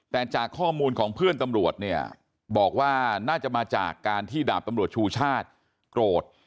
แต่จากข้อมูลของเพื่อนตำรวจเนี่ยบอกว่าน่าจะมาจากการที่ดาบตำรวจชูชาติโกรธ